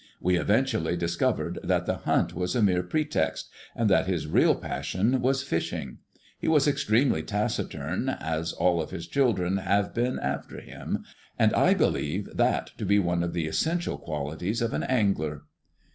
We eventually discovered that the hunt was a mere pretext, and that his real passion was fishing. He was extremely taciturn, as all of his children have been after him, and I believe that to be one of the essential qualities of an angler.